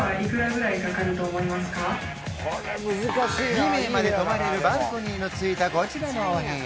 ２名まで泊まれるバルコニーのついたこちらのお部屋